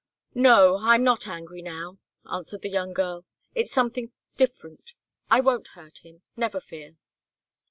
"No I'm not angry now," answered the young girl. "It's something different I won't hurt him never fear!"